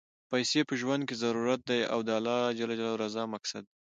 پیسی په ژوند کی ضرورت دی، او د اللهﷻ رضا مقصد دی.